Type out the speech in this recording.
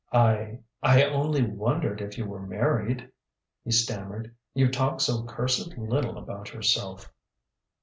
"I I only wondered if you were married," he stammered. "You talk so cursed little about yourself!"